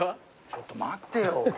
ちょっと待ってよ。